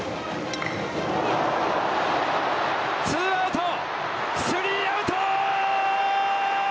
ツーアウトスリーアウト！